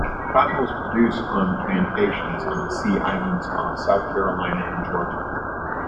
Cotton was produced on plantations on the Sea Islands off South Carolina and Georgia.